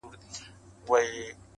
لکه فوج د لېونیانو غړومبېدله -